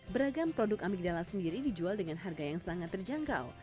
beragam produk amigdala sendiri dijual dengan harga yang sangat terjangkau